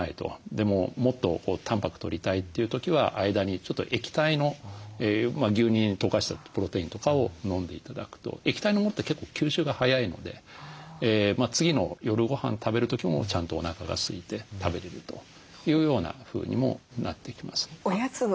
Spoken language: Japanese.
でももっとたんぱくとりたいという時は間にちょっと液体の牛乳に溶かしたプロテインとかを飲んで頂くと液体のものって結構吸収が早いので次の夜ごはん食べる時もちゃんとおなかがすいて食べれるというようなふうにもなってきます。